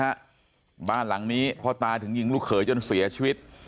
ขึ้นนะฮะบ้านหลังนี้เพราะตายถึงยิงลูกเขยจนเสียชีวิต